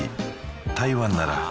台湾なら